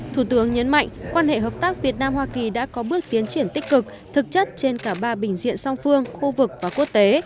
thủ tướng nhấn mạnh quan hệ hợp tác việt nam hoa kỳ đã có bước tiến triển tích cực thực chất trên cả ba bình diện song phương khu vực và quốc tế